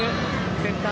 センター